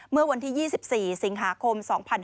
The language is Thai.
เมื่อวันที่๒๔สิงหาคม๒๕๕๙